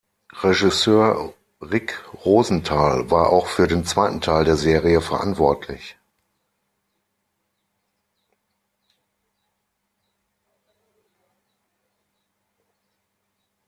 Regisseur Rick Rosenthal war auch für den zweiten Teil der Serie verantwortlich.